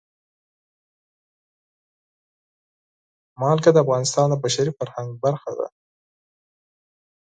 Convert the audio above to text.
نمک د افغانستان د بشري فرهنګ برخه ده.